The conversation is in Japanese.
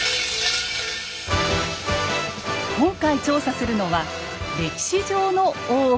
今回調査するのは歴史上の大奥です。